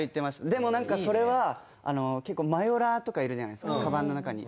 でもなんかそれは結構マヨラーとかいるじゃないですかカバンの中に。